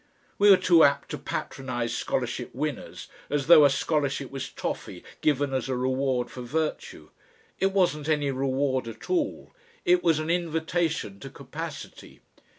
We were too apt to patronise scholarship winners, as though a scholarship was toffee given as a reward for virtue. It wasn't any reward at all; it was an invitation to capacity.